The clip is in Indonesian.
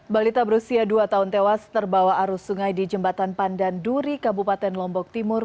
balita berusia dua tahun tewas terbawa arus sungai di jembatan pandan duri kabupaten lombok timur